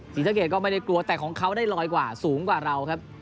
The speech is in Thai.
ศรีสะเกดก็ไม่ได้กลัวแต่ของเขาได้ลอยกว่าสูงกว่าเราครับ